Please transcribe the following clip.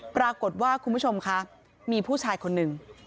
ปรากฏว่าคุณผู้ชมค่ะมีผู้ชายคนหนึ่ง